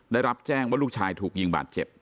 ได้รับแจ้งว่าลูกชายถูกยิงบาดเจ็บ